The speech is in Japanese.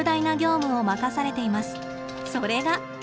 それが。